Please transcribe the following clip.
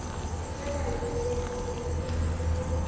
متى عيد ميلاد سامي؟